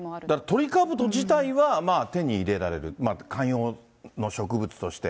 トリカブト自体は手に入れられる、観葉の植物として。